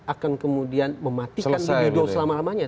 akan kemudian mematikan widodo selama lamanya